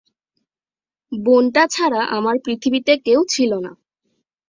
বোনটা ছাড়া আমার পৃথিবীতে কেউ ছিল না।